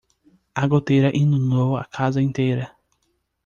A goteira inundou a casa inteira